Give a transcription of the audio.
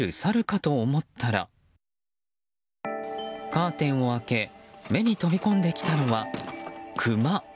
カーテンを開け目に飛び込んできたのはクマ。